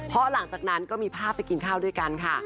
เพราะหลังจากนั้นก็มีภาพไปกินข้าวด้วยกันค่ะ